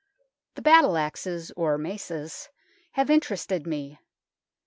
The battle axes, or maces, have interested me.